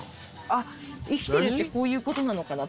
あっ生きてるってこういう事なのかな？